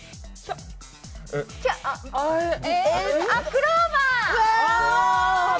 クローバー！